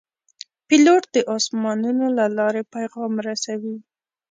پیلوټ د آسمانونو له لارې پیغام رسوي.